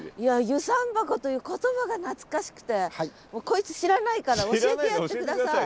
遊山箱という言葉が懐かしくてこいつ知らないから教えてやって下さい。